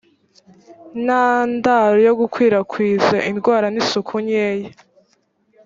ntandaro yo gukwirakwiza indwara ni isuku nkeya